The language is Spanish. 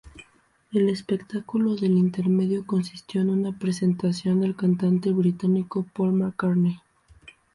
El espectáculo del intermedio consistió en una presentación del cantante británico Paul McCartney.